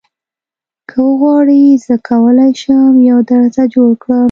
که وغواړې زه کولی شم یو درته جوړ کړم